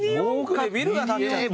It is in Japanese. ビルが建っちゃった。